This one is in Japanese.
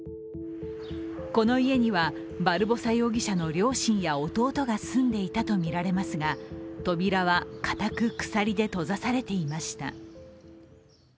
この家にはバルボサ容疑者の両親や弟が住んでいたとみられますが、扉はかたく鎖で閉ざされていました。